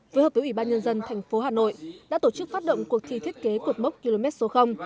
với hợp biểu ủy ban nhân dân tp hà nội đã tổ chức phát động cuộc thi thiết kế cột mốc km số